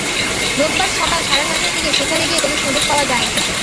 রোববার সকাল সাড়ে নয়টার দিকে সেখানে গিয়ে কোনো শ্রমিক পাওয়া যায়নি।